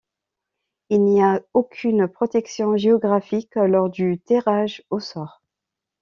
Il n'y aucune protection géographique lors du tirage au sort.